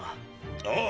ああ。